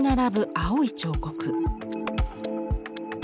青い彫刻。